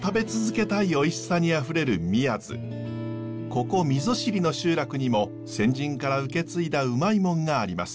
ここ溝尻の集落にも先人から受け継いだウマイもんがあります。